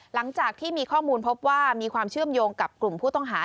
หลังจากที่มีข้อมูลพบว่ามีความเชื่อมโยงกับกลุ่มผู้ต้องหา